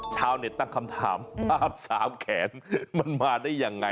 ชาวเน็ตตั้งคำถามภาพสามแขนมันมาได้ยังไง